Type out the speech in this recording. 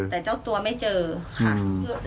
แต่เจ้าตัวไม่เจอค่ะ